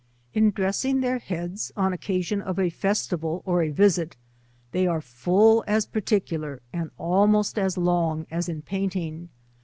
In dressing their heads on occasion of a festival or a^visit, they are full as particular, and almost as long, as in painting.